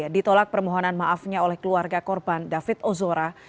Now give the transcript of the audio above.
ditolak permohonan maafnya oleh keluarga korban david ozora